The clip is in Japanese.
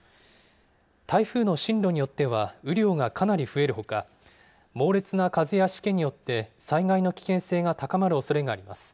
台風の進路によっては雨量がかなり増えるほか、猛烈な風やしけによって、災害の危険性が高まるおそれがあります。